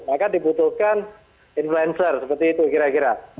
maka dibutuhkan influencer seperti itu kira kira